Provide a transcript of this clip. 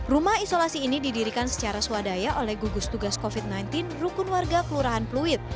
rumah isolasi ini didirikan secara swadaya oleh gugus tugas covid sembilan belas rukun warga kelurahan pluit